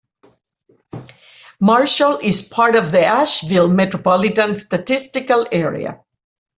Marshall is part of the Asheville Metropolitan Statistical Area.